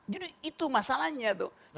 jadi itu masalahnya tuh